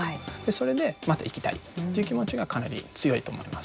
それでまた行きたいという気持ちがかなり強いと思います。